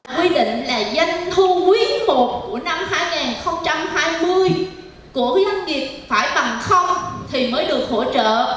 quy định là dân thu quyết một của năm hai nghìn hai mươi của dân nghiệp phải bằng thì mới được hỗ trợ